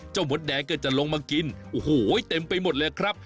มดแดงก็จะลงมากินโอ้โหเต็มไปหมดเลยครับ